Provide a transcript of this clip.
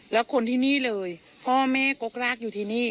แล้วคนที่นี่เลยพ่อแม่กกรากอยู่ที่นี่